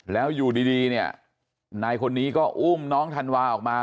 แล้วอยู่ดีเนี่ยนายคนนี้ก็อุ้มน้องธันวาออกมา